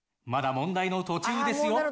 まだ問題の途中ですよ。